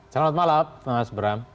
selamat malam mas bram